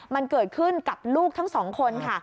มันเกิดขึ้นกับลูกทั้งสองคนค่ะ